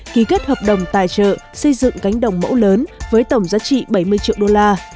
ký kết hợp đồng tài trợ xây dựng cánh đồng mẫu lớn với tổng giá trị bảy mươi triệu đô la